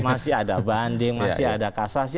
masih ada banding masih ada kasasi